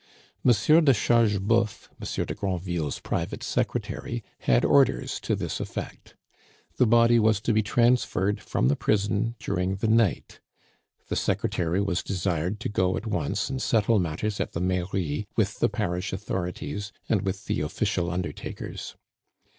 Monsieur de Chargeboeuf, Monsieur de Granville's private secretary, had orders to this effect. The body was to be transferred from the prison during the night. The secretary was desired to go at once and settle matters at the Mairie with the parish authorities and with the official undertakers.